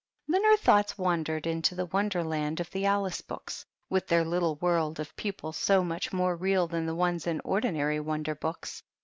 Then her thoughts wandered into the Wonder land of the Alice books, with their little world of people so much more real than the ones in ordinary Wonder books.